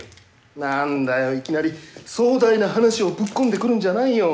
何だよいきなり壮大な話をぶっ込んでくるんじゃないよ。